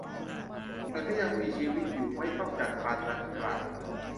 แต่ถ้ายังมีชีวิตอยู่ไม่ต้องจัดพานดังกล่าว